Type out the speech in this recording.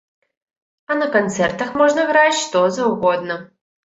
А на канцэртах можна граць, што заўгодна.